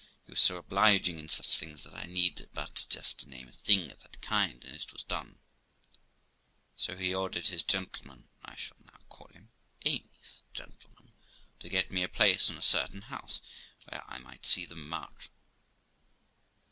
He was so obliging in such things that I need but just name a thing of that kind and it was done; so he ordered his gentleman (I should now call him Amy's gentleman) to get me a place in a certain house, where I might see them march.